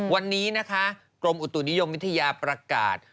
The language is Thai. วันนี้นะคะกรมอุตุนิยมวิทยาประกาศ